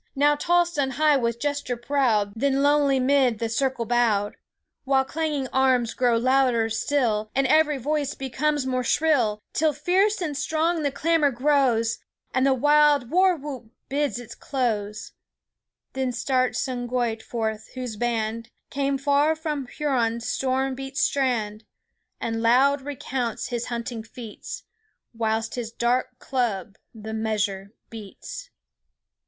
Now tossed on high with gesture proud Then lowly 'mid the circle bowed; While clanging arms grow louder still, And every voice becomes more shrill, Till fierce and strong the clamour grows, And the wild war whoop bids it close, Then starts SKUNTONGA forth, whose band Came far from Huron's storm beat strand, And loud recounts his hunting feats, Whilst his dark club the measure beats."